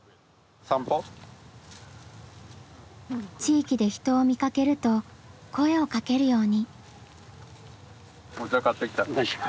地域で人を見かけると声をかけるように。